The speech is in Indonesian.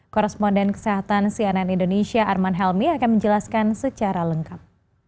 korresponden kesehatan cnn indonesia arman helmi akan menjelaskan secara lengkap